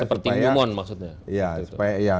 seperti newmont maksudnya